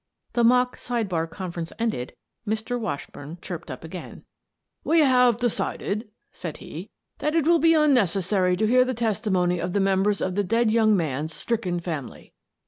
The mock side bar conference ended, Mr. Wash burn chirped up again. 1 68 Miss Frances Baird, Detective " We have decided," said he, " that it will be unnecessary to hear the testimony of the members of the dead young man's stricken family.